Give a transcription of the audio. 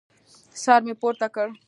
سر مې پورته کړ.